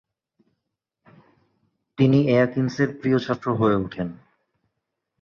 তিনি এয়াকিনসের প্রিয় ছাত্র হয়ে ওঠেন।